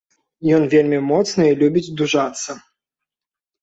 Ён вельмі моцны і любіць дужацца.